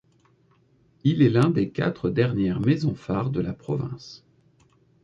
Il est l'un des quatre dernières maison-phares de la province.